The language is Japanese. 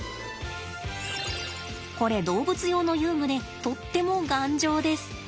これ動物用の遊具でとっても頑丈です。